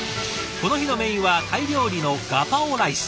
この日のメインはタイ料理のガパオライス。